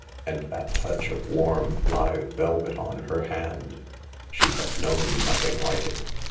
And that touch of warm, live velvet on her hand : she had known nothing like it.